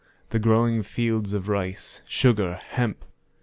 the growing fields of rice, sugar, hemp!